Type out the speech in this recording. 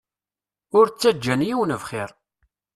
Ur ttaǧǧan yiwen bxir.